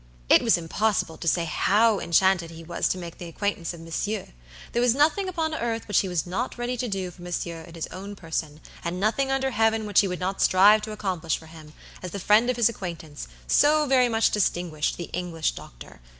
It was impossible to say how enchanted he was to make the acquaintance of M'sieu. There was nothing upon earth which he was not ready to do for M'sieu in his own person, and nothing under heaven which he would not strive to accomplish for him, as the friend of his acquaintance, so very much distinguished, the English doctor.